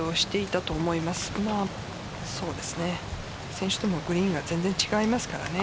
先週ともグリーンが全然違いますからね。